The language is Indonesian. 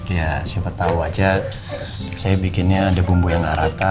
ya siapa tahu aja saya bikinnya ada bumbu yang nggak rata